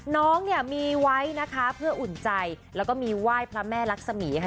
น้องเนี่ยมีไว้นะคะเพื่ออุ่นใจแล้วก็มีไหว้พระแม่รักษมีค่ะ